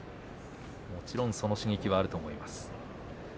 もちろんその刺激はあると思います。